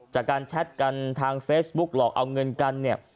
แชทกันทางเฟซบุ๊กหลอกเอาเงินกันเนี่ย